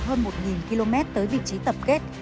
hơn một km tới vị trí tập kết